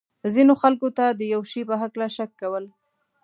ځینو خلکو ته د یو شي په هکله شک کول.